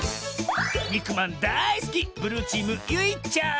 にくまんだいすきブルーチームゆいちゃん。